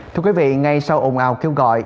thưa quý vị ngay sau ồn ào kêu gọi